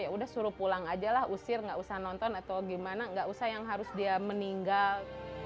ya udah suruh pulang aja lah usir nggak usah nonton atau gimana gak usah yang harus dia meninggal